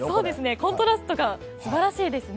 コントラストがすばらしいですね。